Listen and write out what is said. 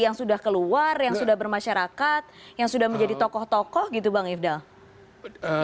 yang sudah keluar yang sudah bermasyarakat yang sudah menjadi tokoh tokoh gitu bang ifdal